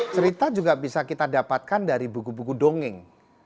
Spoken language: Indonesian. cerita juga bisa kita dapatkan dari buku buku dongeng